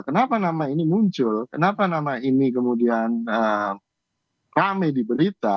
kenapa nama ini muncul kenapa nama ini kemudian rame di berita